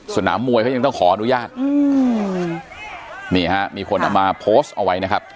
สนามมวยเขายังต้องขออนุญาตอืมนี่ฮะมีคนเอามาโพสต์เอาไว้นะครับ